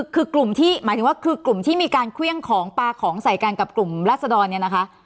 คือกลุ่มที่หมายถึงว่าคือกลุ่มที่มีการเครื่องของปลาของใส่กันกับกลุ่มรัศดรเนี่ยนะคะ